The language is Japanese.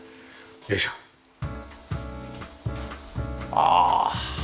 ああ！